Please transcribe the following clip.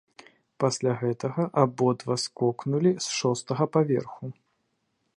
Пасля гэтага абодва скокнулі з шостага паверху.